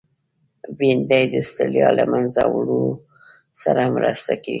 بېنډۍ د ستړیا له منځه وړلو سره مرسته کوي